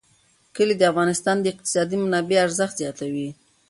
کلي د افغانستان د اقتصادي منابعو ارزښت زیاتوي.